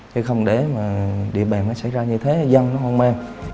chứ không để mà địa bàn nó xảy ra như thế dân nó hôn mê